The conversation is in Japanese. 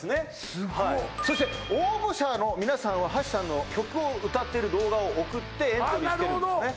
すごっそして応募者の皆さんは橋さんの曲を歌ってる動画を送ってエントリーしてるんですね